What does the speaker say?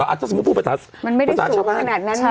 อาจจะสมมุติพูดประสาทชาติชาวภาค